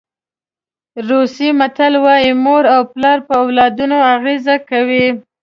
روسي متل وایي مور او پلار په اولادونو اغېزه کوي.